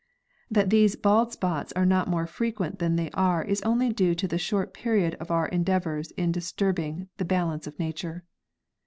That these bald spots are not more frequent than they are is only due to the short period of our endeavors in disturb ing the balance of nature.